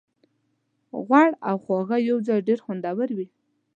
غوړ او خوږه یوځای ډېر خوندور وي.